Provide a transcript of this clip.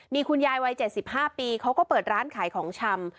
มีคุณยายวัยเจ็ดสิบห้าปีเขาก็เปิดร้านขายของชำ